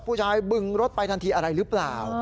บึงรถไปทันทีอะไรหรือเปล่า